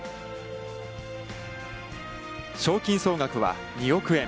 賞金総額は２億円。